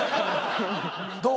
どう？